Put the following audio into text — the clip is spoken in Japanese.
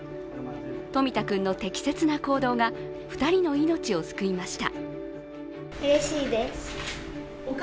冨田君の適切な行動が２人の命を救いました。